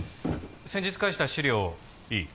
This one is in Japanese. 先日返した資料いい？